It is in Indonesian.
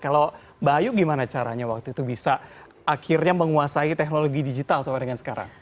kalau mbak ayu gimana caranya waktu itu bisa akhirnya menguasai teknologi digital sampai dengan sekarang